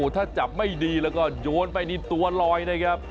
ถ้าจับไม่ดีแล้วก็โยนไปนี่ตัวลอยนะครับ